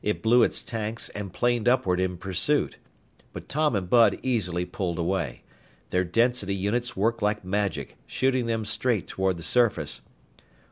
It blew its tanks and planed upward in pursuit. But Tom and Bud easily pulled away. Their density units worked like magic, shooting them straight toward the surface.